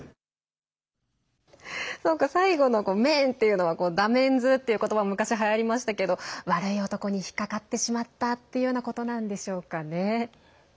最後の「メン」というのは「ダメンズ」という言葉も昔、はやりましたけど悪い男に引っ掛かってしまったというようなことなんでしょうか。